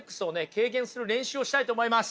軽減する練習をしたいと思います！